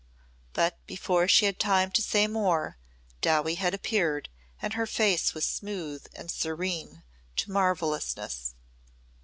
But before she had time to say more Dowie had appeared and her face was smooth and serene to marvellousness.